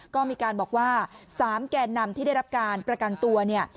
ก็มีการบอกว่า๓แก่นำที่ได้รับการประกันตัวเนี่ย